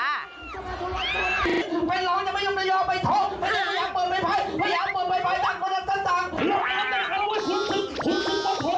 กิ้น